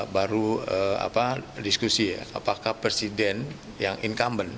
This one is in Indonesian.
baru diskusi ya apakah presiden yang incumbent